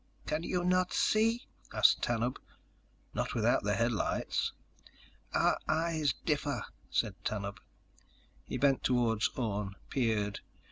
"Can you not see?" asked Tanub. "Not without the headlights." "Our eyes differ," said Tanub. He bent toward Orne, peered.